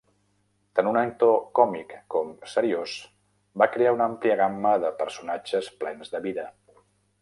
Tant un actor còmic com seriós, va crear una àmplia gamma de personatges plens de vida.